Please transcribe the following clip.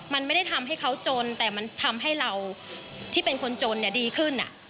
มันไม่ได้ทำให้เขาจนแต่มันทำให้เราที่เป็นคนจนดีขึ้น